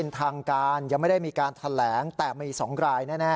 แต่คุณหมอเบิร์ตเปิดเผยบอกว่า